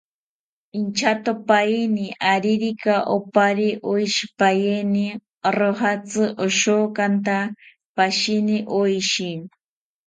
Inchatopaeni aririka oparye oshipaeni, rojatzi oshokanta pashini oshi